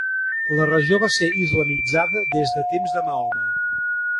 La regió va ser islamitzada des de temps de Mahoma.